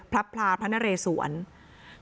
พระพระพระนเรสวรษฎ์